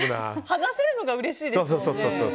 話せるのがうれしいですもんね。